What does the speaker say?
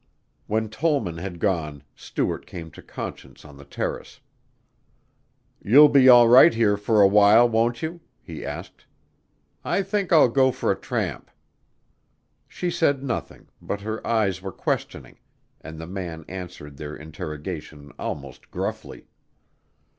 When Tollman had gone Stuart came to Conscience on the terrace. "You'll be all right here for a while, won't you?" he asked. "I think I'll go for a tramp." She said nothing, but her eyes were questioning, and the man answered their interrogation almost gruffly.